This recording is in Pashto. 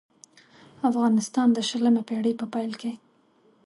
افغانستان د شلمې پېړۍ په پېل کې.